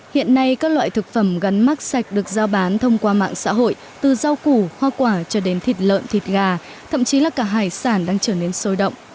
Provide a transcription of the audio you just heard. hiện nay các loại thực phẩm gắn mát sạch được giao bán thông qua mạng xã hội từ rau củ hoa quả cho đến thịt lợn thịt gà thậm chí là cả hải sản đang trở nên sôi động